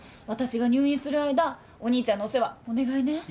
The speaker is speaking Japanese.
私が入院する間お兄ちゃんのお世話お願いね。